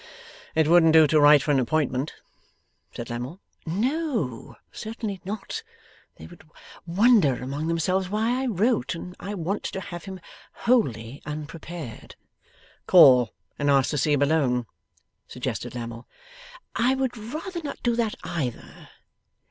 'It wouldn't do to write for an appointment?' said Lammle. 'No, certainly not. They would wonder among themselves why I wrote, and I want to have him wholly unprepared.' 'Call, and ask to see him alone?' suggested Lammle. 'I would rather not do that either.